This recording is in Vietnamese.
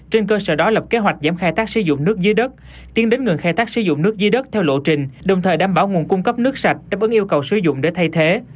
trên cơ sở đó lập kế hoạch giảm khai tác sử dụng nước dưới đất tiến đến ngừng khai tác sử dụng nước dưới đất theo lộ trình đồng thời đảm bảo nguồn cung cấp nước sạch đáp ứng yêu cầu sử dụng để thay thế